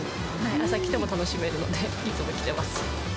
朝来ても楽しめるので、いつも来てます。